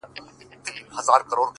تا په درد كاتــــه اشــــنــــا-